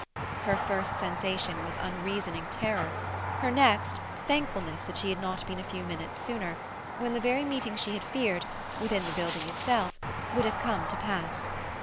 Her first sensation was unreasoning terror; her next, thankfulness that she had not been a few minutes sooner, when the very meeting she had feared, within the building itself, would have come to pass.